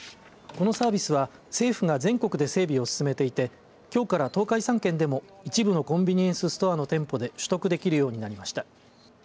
このサービスは政府が全国で整備を進めていてきょうから東海３県でも一部のコンビニエンスストアの店舗で取得できるようになりました。